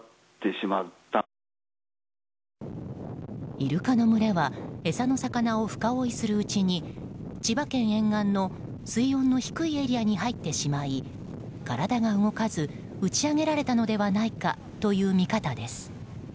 イルカの群れは餌の魚を深追いするうちに千葉県沿岸の水温の低いエリアに入ってしまい体が動かず打ち揚げられたのではないかという見方です。